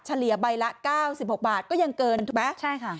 เลียใบละเก้าสิบหกบาทก็ยังเกินถูกไหมใช่ค่ะ